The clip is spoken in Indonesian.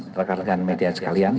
dan rakan rakan media sekalian